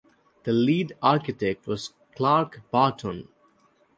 The lead architect was Clark Barton.